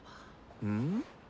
うん？